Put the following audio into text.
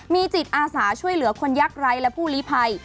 มีจิตอาสาช่วยเหลือคนยักษ์ไร้และผู้ลิภัย